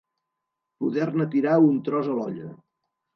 Poder-ne tirar un tros a l'olla.